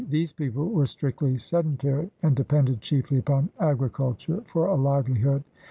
These people were strictly sedentary and depended chiefly upon agriculture for a livelihood.